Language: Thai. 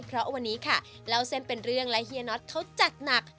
เพราะวันนี้ค่ะเล่าเส้นเป็นเรื่องและเฮียน็อตเขาจัดหนัก